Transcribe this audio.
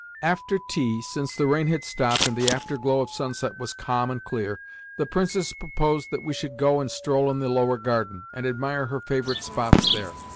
After tea, since the rain had stopped and the after glow of sunset was calm and clear, the Princess proposed that we should go and stroll in the lower garden, and admire her favourite spots there.